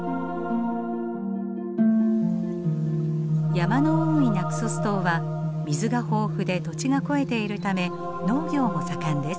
山の多いナクソス島は水が豊富で土地が肥えているため農業も盛んです。